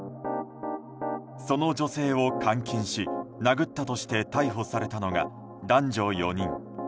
その女性を監禁し殴ったとして逮捕されたのが男女４人。